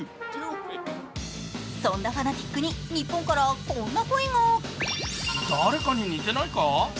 そんなファナティックに日本からこんな声が。